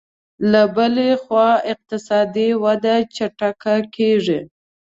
له بلې خوا اقتصادي وده چټکه کېږي